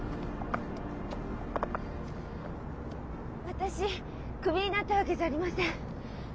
私クビになったわけじゃありません。